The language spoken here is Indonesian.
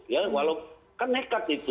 ya kan nekat itu